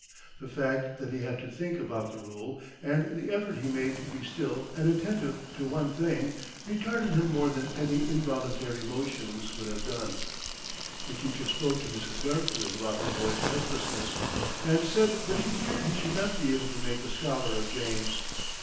The fact that he had to think about the rule, and the effort he made to be still and attentive to one thing, retarded him more than any involuntary motions would have done. The teacher spoke to Mrs. Garfield about her boy's restlessness, and said that he feared he should not be able to make a scholar of James.